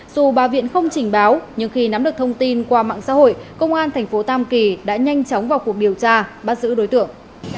dù bà viện không trình báo nhưng khi nắm được thông tin qua mạng xã hội công an tp tam kỳ đã nhanh chóng vào cuộc điều tra bắt giữ đối tượng